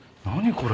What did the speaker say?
これ。